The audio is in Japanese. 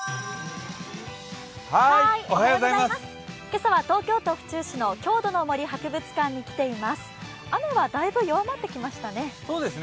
今朝は東京都府中市の郷土の森博物館に来ています。